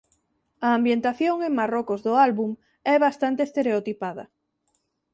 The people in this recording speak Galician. A ambientación en Marrocos do álbum é bastante estereotipada.